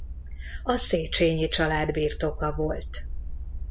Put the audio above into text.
A Szécsényi család birtoka volt.